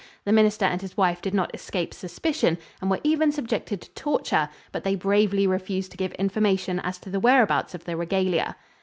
The minister and his wife did not escape suspicion and were even subjected to torture, but they bravely refused to give information as to the whereabouts of the regalia.